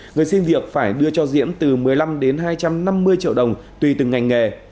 người xin việc phải đưa cho diễm từ một mươi năm đến hai trăm năm mươi triệu đồng tùy từng ngành nghề